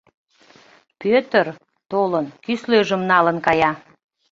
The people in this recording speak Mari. Пӧтыр, толын, кӱслежым налын кая.